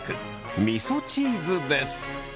みそチーズです。